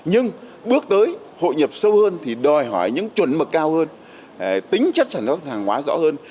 hội nhập sâu hơn thì đòi hỏi những chuẩn mực cao hơn tính chất sản xuất hàng hóa rõ hơn